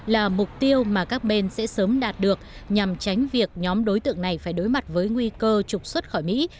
là mục tiêu mà các bên sẽ sớm đạt được nhằm tránh việc nhóm đối tượng này phải đối mặt với nguy cơ trục xuất khỏi mỹ